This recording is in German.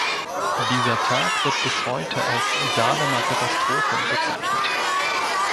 Dieser Tag wird bis heute als „Dahlemer Katastrophe“ bezeichnet.